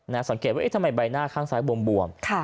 สังเกตว่าเอ๊ะทำไมใบหน้าข้างซ้ายบวม